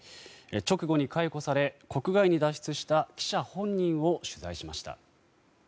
直後に解雇され国外に脱出した記者本人を取材しました。